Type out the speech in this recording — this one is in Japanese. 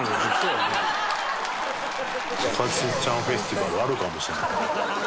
博士ちゃんフェスティバルあるかもしれない。